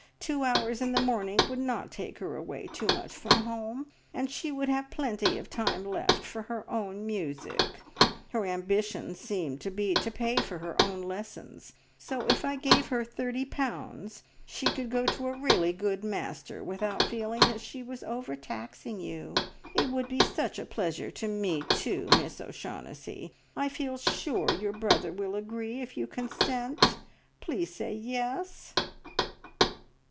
Two hours in the morning would not take her away too much from home, and she would have plenty of time left for her own music. Her ambition seemed to be to pay for her own lessons, so if I gave her thirty pounds, she could go to a really good master without feeling that she was overtaxing you. It would be such a pleasure to me too, Miss O'Shaughnessy. I feel sure your brother will agree, if you consent. Please say `Yes'!"